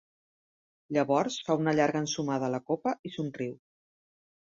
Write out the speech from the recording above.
Llavors fa una llarga ensumada a la copa i somriu.